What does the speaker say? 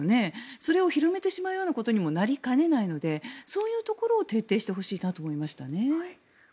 それを広めてしまうことにもなりかねないのでそういうところを徹底してほしいなと思いましたね。